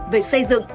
về xây dựng